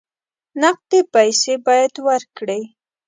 نقدې پیسې باید ورکړې.